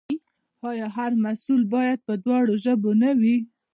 آیا هر محصول باید په دواړو ژبو نه وي؟